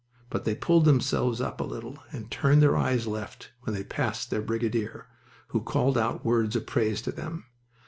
But they pulled themselves up a little, and turned eyes left when they passed their brigadier, who called out words of praise to them.